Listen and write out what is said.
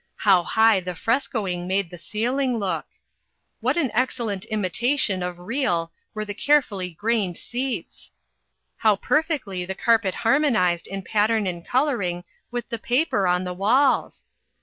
How high the frescoing made the ceiling look ! What an excellent imitation of " real " were the carefully grained seats ! How perfectly the carpet harmonized in pattern and coloring with the paper on the walls